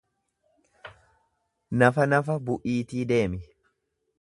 Nafa nafa bu'iitii deemi!